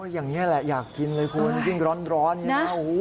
อย่างนี้แหละอยากกินเลยคุณกินร้อนนะ